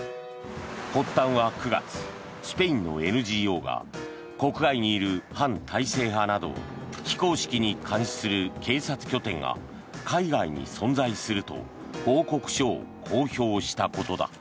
発端は９月、スペインのＮＧＯが国外にいる反体制派などを非公式に監視する警察拠点が海外に存在すると報告書を公表したことだ。